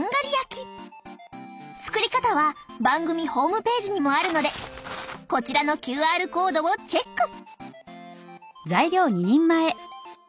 作り方は番組ホームページにもあるのでこちらのＱＲコードをチェック！